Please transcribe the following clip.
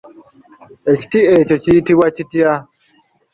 Ekiti ekyo kiyitibwa kitya?